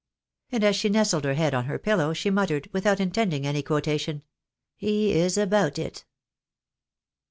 And as she nestled her head on her pillow, she muttered, without intending any quotation, " He is about it."